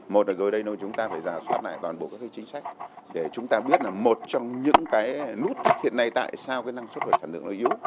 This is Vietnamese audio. một là rồi đây chúng ta phải giả soát lại toàn bộ các cái chính sách để chúng ta biết là một trong những cái nút thắt hiện nay tại sao cái năng suất và sản lượng nó yếu